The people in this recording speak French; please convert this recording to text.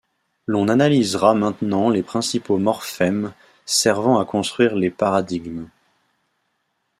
L'on analysera maintenant les principaux morphèmes servant à construire les paradigmes.